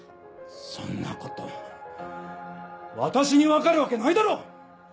そんなこと私に分かるわけないだろう！